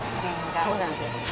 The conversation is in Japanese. そうなんです。